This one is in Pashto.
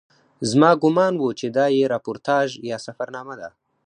زما ګومان و چې دا یې راپورتاژ یا سفرنامه ده.